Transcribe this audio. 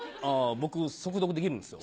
僕速読できるんですよ。